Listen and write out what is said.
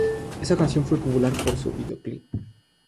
Esa canción fue popular por su videoclip.